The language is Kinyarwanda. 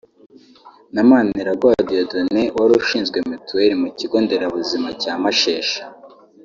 na Maniragaba Dieudone wari ushinzwe Mituweli mu kigo nderabuzima cya Mashesha